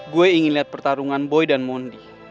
gue ingin lihat pertarungan boy dan mondi